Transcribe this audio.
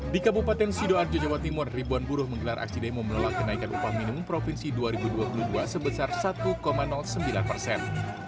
di kabupaten sidoarjo jawa timur ribuan buruh menggelar aksi demo menolak kenaikan upah minimum provinsi dua ribu dua puluh dua sebesar satu sembilan persen